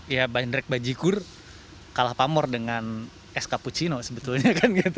ya bandrek dan bajigur kalah pamor dengan es cappuccino sebetulnya